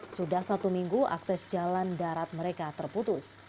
sudah satu minggu akses jalan darat mereka terputus